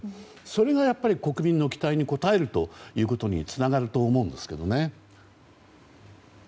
それが国民の期待に応えるということにつながると思うんですけどね。